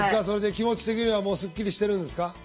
それで気持ち的にはもうすっきりしてるんですか？